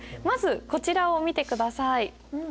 まずこちらを見て下さい。